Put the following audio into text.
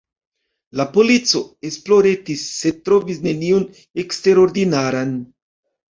La polico esploretis, sed trovis nenion eksterordinaran.